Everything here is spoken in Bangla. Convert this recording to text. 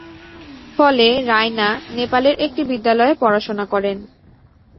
ফলে রায়না নেপালের একটি বিদ্যালয়ে পড়াশোনা করেন।